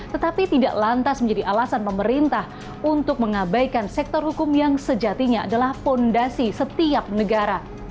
tetapi tidak lantas menjadi alasan pemerintah untuk mengabaikan sektor hukum yang sejatinya adalah fondasi setiap negara